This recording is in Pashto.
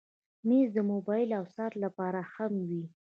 مېز د موبایل او ساعت لپاره هم وي.